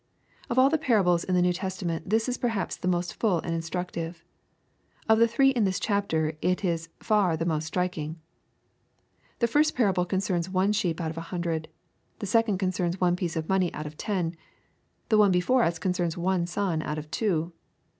] Of all the parables in the New Testament this is perhaps the most full and instructive. Of the three in this chapter it is far the most striking. The first parable concerns one sheep out of a hundred. The second concerns one piece of money out of ten. The one before us concerns one son out of two.